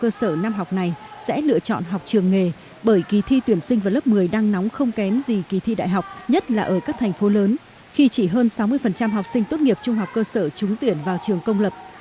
trường trung sở năm học này sẽ lựa chọn học trường nghề bởi kỳ thi tuyển sinh vào lớp một mươi đang nóng không kén gì kỳ thi đại học nhất là ở các thành phố lớn khi chỉ hơn sáu mươi học sinh tốt nghiệp trung học cơ sở trúng tuyển vào trường công lập